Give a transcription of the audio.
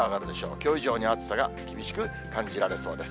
きょう以上に暑さが厳しく感じられそうです。